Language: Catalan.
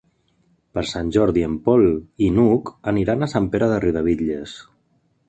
Per Sant Jordi en Pol i n'Hug aniran a Sant Pere de Riudebitlles.